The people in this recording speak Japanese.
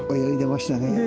泳いでましたね。